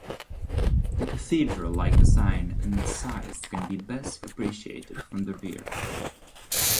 The cathedral-like design and size can best be appreciated from the rear.